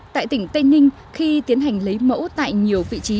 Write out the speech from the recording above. tại tỉnh tây ninh khi tiến hành lấy mẫu tại nhiều vị trí